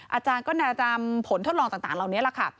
อาจารย์ก็น่าจะจำผลทดลองต่างเหล่านี้แหละค่ะ